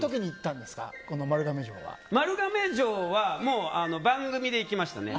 丸亀城は番組で行きましたね。